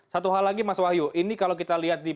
satu hal lagi mas wahyu ini kalau kita lihat di